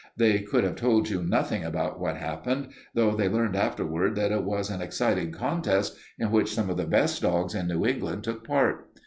They could have told you nothing about what happened, though they learned afterward that it was an exciting contest in which some of the best dogs in New England took part.